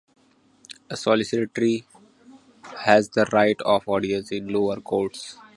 A solicitor has the right of audience in lower courts.